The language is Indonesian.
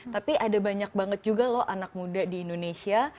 tapi ada banyak banget juga loh anak muda di indonesia